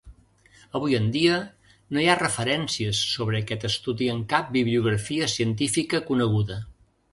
Avui en dia, no hi ha referències sobre aquest estudi en cap bibliografia científica coneguda.